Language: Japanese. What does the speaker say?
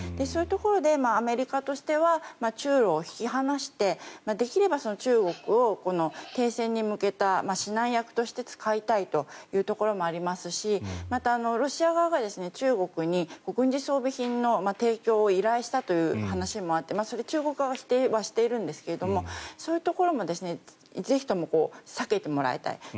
そういうところでアメリカとしては中ロを引き離してできれば中国を停戦に向けた指南役として使いたいというところもありますしまた、ロシア側が中国に軍事装備品の提供を依頼したという話もあってそれは中国側は否定してるんですがそういうところもぜひとも避けてもらいたい。